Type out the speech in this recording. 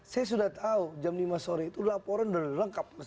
saya sudah tahu jam lima sore itu laporan sudah lengkap